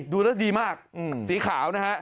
ดูแล้วดีมากสีขาวนะฮะ